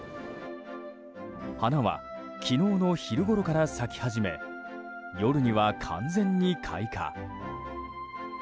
花は、昨日の昼ごろから咲き始め夜には完全に開花。